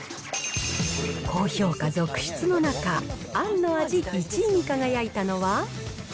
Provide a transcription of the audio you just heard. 高評価続出の中、あんの味１位に輝いたのは。